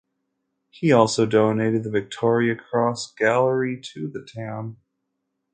He also donated the Victoria Cross Gallery to the town.